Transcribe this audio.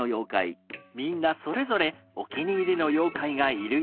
みんなそれぞれお気に入りの妖怪がいる様子。